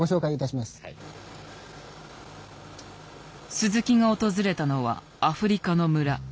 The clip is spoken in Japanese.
鈴木が訪れたのはアフリカの村。